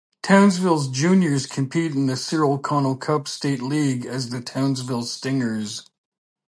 Townsville's juniors compete in the Cyril Connell Cup state league as the Townsville Stingers.